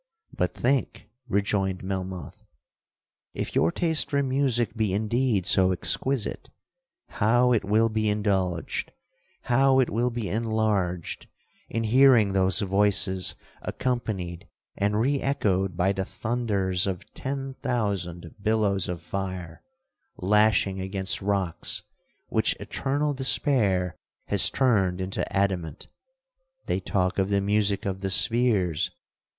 '—'But think,' rejoined Melmoth, 'if your taste for music be indeed so exquisite, how it will be indulged, how it will be enlarged, in hearing those voices accompanied and reechoed by the thunders of ten thousand billows of fire, lashing against rocks which eternal despair has turned into adamant! They talk of the music of the spheres!